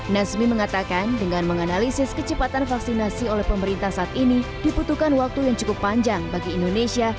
nasmi mengatakan dengan menganalisis kecepatan vaksinasi oleh pemerintah saat ini dibutuhkan waktu yang cukup panjang bagi indonesia